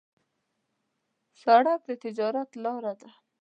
سړک د تجارت لاره ده.